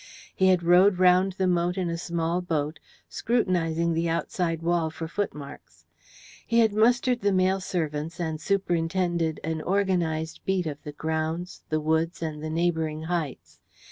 He had rowed round the moat in a small boat, scrutinizing the outside wall for footmarks. He had mustered the male servants, and superintended an organized beat of the grounds, the woods, and the neighbouring heights.